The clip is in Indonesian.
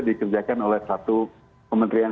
dikerjakan oleh satu kementerian